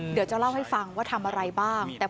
เดี๋ยวจะเล่าให้ฟังว่าทำอะไรบ้าง